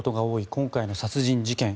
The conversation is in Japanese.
今回の殺人事件。